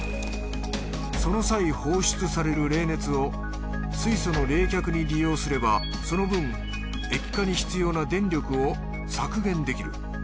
その際放出される冷熱を水素の冷却に利用すればその分液化に必要な電力を削減できる。